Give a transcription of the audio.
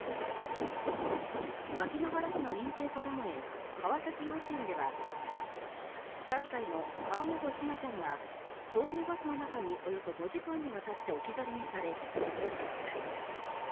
牧之原市の認定こども園川崎幼稚園では５日３歳の河本千奈ちゃんが送迎バスの中におよそ５時間にわたって置き去りにされ、死亡しました。